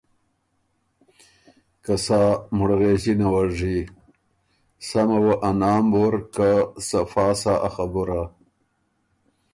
که سا مُړغېݫِنه وه ژی، سمه وه ا نام وُر که صفا سۀ ا خبُره۔